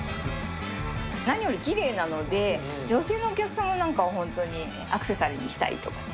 何よりきれいなので、女性のお客様なんかは本当にアクセサリーにしたいとかね。